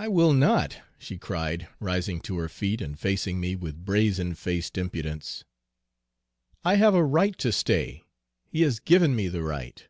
"'I will not!' she cried, rising to her feet and facing me with brazen faced impudence. 'I have a right to stay, he has given me the right!'